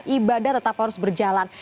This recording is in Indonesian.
ibadah tetap harus berjalan